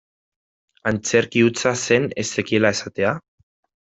Antzerki hutsa zen ez zekiela esatea?